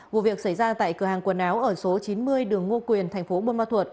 vụ việc xảy ra tại cửa hàng quần áo ở số chín mươi đường ngô quyền thành phố buôn ma thuột